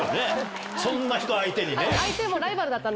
そんな人相手にね。